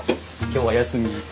今日は休み。